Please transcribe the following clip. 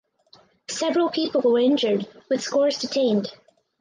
Several people were injured with scores detained.